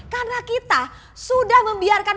karena kita sudah membiarkan